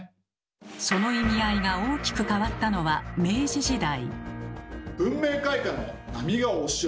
その意味合いが大きく変わったのは明治時代。